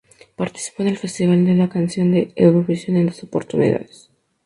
Participó en el Festival de la Canción de Eurovisión en dos oportunidades.